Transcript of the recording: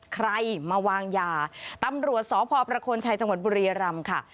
ใครมาวางยาตำรวจสพประโคนชัยจังหวัดบุรียรำค่ะ